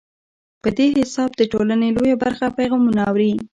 په دې حساب د ټولنې لویه برخه پیغامونه اوري.